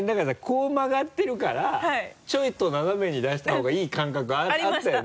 こう曲がってるからちょいと斜めに出した方がいい感覚あったよね？